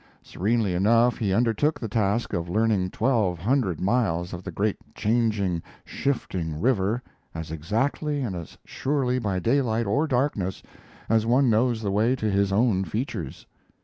Serenely enough he undertook the task of learning twelve hundred miles of the great changing, shifting river as exactly and as surely by daylight or darkness as one knows the way to his own features.